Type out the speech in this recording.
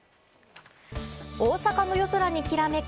大阪の夜空にきらめく